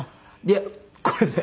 いやこれね